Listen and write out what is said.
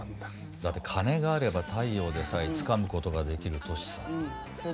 だって「金があれば太陽でさえつかむ事ができる都市さ」だって。